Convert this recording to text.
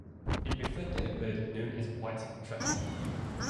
It referred to a bird known as White's thrush.